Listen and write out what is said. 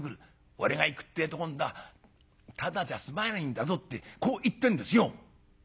『俺が行くってえと今度はただじゃ済まないんだぞ』ってこう言ってんですよ」。